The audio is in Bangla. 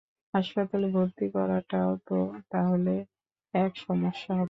হাসপাতালে ভর্তি করাটাও তো তাহলে এক সমস্যা হবে।